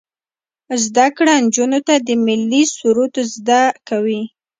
زده کړه نجونو ته د ملي سرود زده کوي.